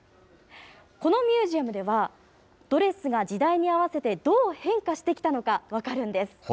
このミュージアムでは、ドレスが時代に合わせてどう変化してきたのか分かるんです。